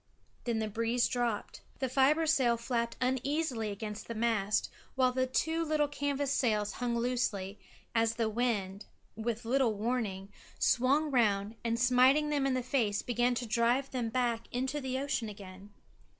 Then the breeze dropped. The fibre sail flapped uneasily against the mast, while the two little canvas sails hung loosely, as the wind, with little warning, swung round, and smiting them in the face began to drive them back into the ocean again.